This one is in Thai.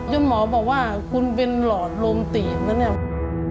หมอบอกว่าคุณเป็นหลอดลมตีบนะเนี่ย